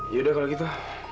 yaudah kalau gitu